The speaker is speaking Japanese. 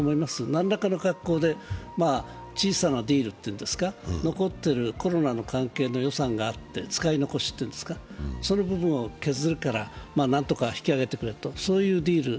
何らかの格好で小さなディール、残っているコロナの関係の予算があって使い残しっていうのですか、その部分を削るから何とか引き上げてくれというディール。